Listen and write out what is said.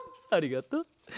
ありがとう。